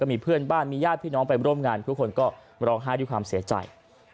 มีเพื่อนบ้านมีญาติพี่น้องไปร่วมงานทุกคนก็ร้องไห้ด้วยความเสียใจ